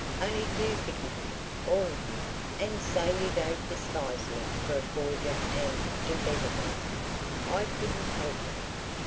Only do forgive me, all of you, and say you don't despise me for a forger and embezzlementer. I couldn't help it."